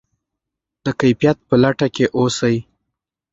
د کیفیت په لټه کې اوسئ.